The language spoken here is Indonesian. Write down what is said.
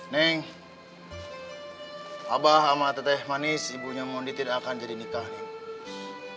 neng abah sama teteh manis ibunya mondi tidak akan jadi nikah nih